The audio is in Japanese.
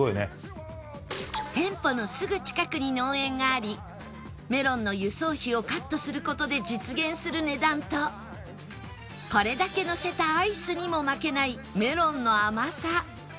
店舗のすぐ近くに農園がありメロンの輸送費をカットする事で実現する値段とこれだけのせたアイスにも負けないメロンの甘さ